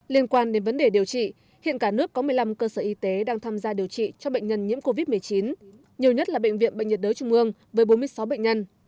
liên quan đến vấn đề điều trị hiện cả nước có một mươi năm cơ sở y tế đang tham gia điều trị cho bệnh nhân nhiễm covid một mươi chín nhiều nhất là bệnh viện bệnh nhiệt đới trung ương với bốn mươi sáu bệnh nhân